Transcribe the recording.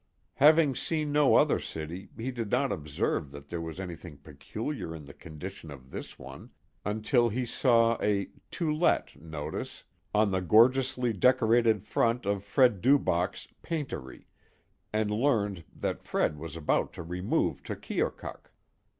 Having seen no other city he did not observe that there was anything peculiar in the condition of this one, until he saw a "to let" notice on the gorgeously decorated front of Fred Dubachs' "Paintery" and learned that Fred was about to remove to Keokuk.